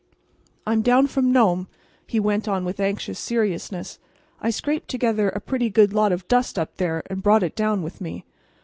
"I'm down from Nome," he went on with anxious seriousness. "I scraped together a pretty good lot of dust up there, and brought it down with me."